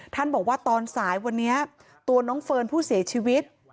ท่านบอกว่าตอนสายวันนี้ตัวน้องเฟิร์นผู้เสียชีวิต